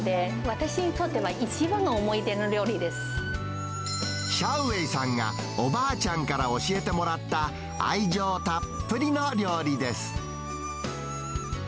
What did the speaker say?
私にとっては、一番の思い出の料シャウ・ウェイさんがおばあちゃんから教えてもらった、愛情たっぷりの料理です。